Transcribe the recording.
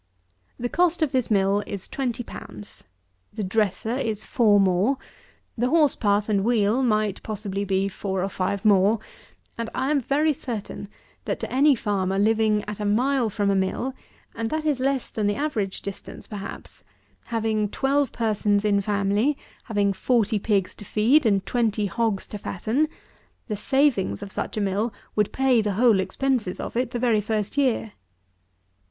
96. The cost of this mill is twenty pounds. The dresser is four more; the horse path and wheel might, possibly, be four or five more; and, I am very certain, that to any farmer living at a mile from a mill, (and that is less than the average distance perhaps;) having twelve persons in family, having forty pigs to feed, and twenty hogs to fatten, the savings of such a mill would pay the whole expenses of it the very first year.